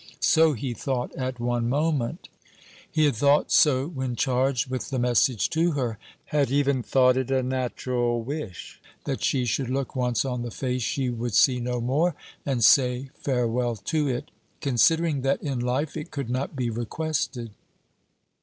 So he thought at one moment: he had thought so when charged with the message to her; had even thought it a natural wish that she should look once on the face she would see no more, and say farewell to it, considering that in life it could not be requested.